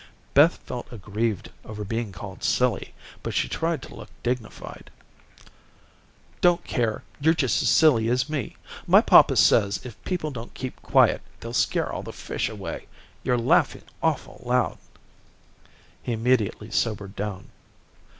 Beth felt aggrieved over being called silly, but she tried to look dignified. "Don't care, you're just as silly as me. My papa says if people don't keep quiet, they'll scare all the fish away. You're laughing awful loud." He immediately sobered down.